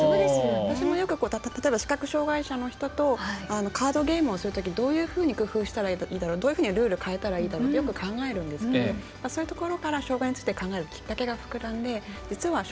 私も視覚障がい者の人とカードゲームをするときどういうふうに工夫したらいいだろうどういうルールにしたらいいだろうと考えるんですけどそういうところから障がいについて考えるきっかけになって。